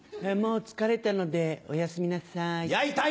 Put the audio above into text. もう疲れたのでおやすみなさい。